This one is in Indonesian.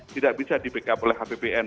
tidak bisa di backup oleh apbn